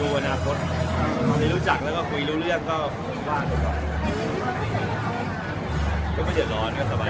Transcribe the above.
คนที่รู้จักแล้วก็คุยรู้เรื่องก็ไม่เดี๋ยวร้อนสบาย